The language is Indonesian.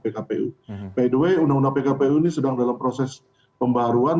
pada saat ini undang undang pkpu ini sedang dalam proses pembaruan